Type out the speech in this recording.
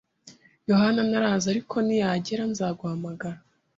Yohana ntaraza, ariko niyagera, nzaguhamagara